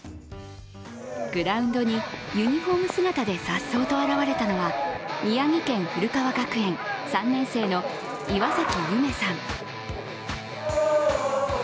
グラウンドにユニフォーム姿で颯爽と現れたのは宮城県古川学園、３年生の岩崎由芽さん。